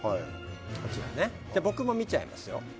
こちらね僕も見ちゃいますよ